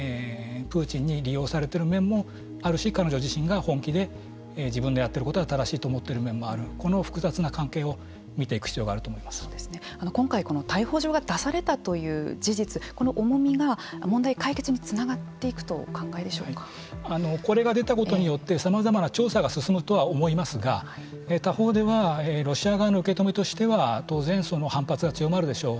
プーチンに利用されている面もあるし彼女自身が本気で自分のやっていることは正しいと思っている面もあるこの複雑な関係を見ていく必要が今回、この逮捕状が出されたという事実問題解決につながっていくとこれが出たことによってさまざまな調査が進むとは思いますが他方ではロシア側の受け止めとしては当然、その反発が強まるでしょう。